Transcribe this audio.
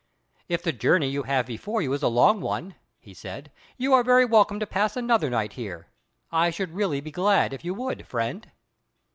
"If the journey you have before you is a long one," he said, "you are very welcome to pass another night here. I should really be glad if you would, friend."